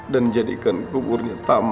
dan jadikan kuburnya tamat